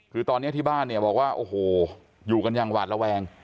คือตอนนี้ที่บ้านเนี่ยบอกว่าโอ้โหอยู่กันอย่างหวาดระแวง